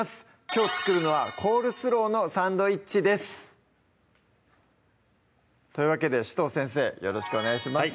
きょう作るのは「コールスローのサンドイッチ」ですというわけで紫藤先生よろしくお願いします